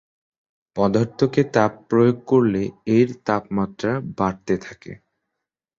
পদার্থকে তাপ প্রয়োগ করলে এর তাপমাত্রা বাড়তে থাকে।